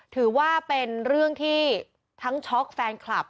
ถือว่าเป็นเรื่องที่ทั้งช็อกแฟนคลับ